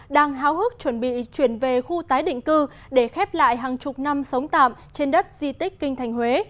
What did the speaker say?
đang háo hức chuẩn bị chuyển về khu tái định cư để khép lại hàng chục năm sống tạm trên đất di tích kinh thành huế